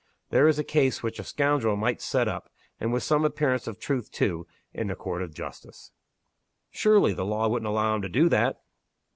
There is a case which a scoundrel might set up and with some appearance of truth too in a court of justice!" "Surely, the law wouldn't allow him to do that?"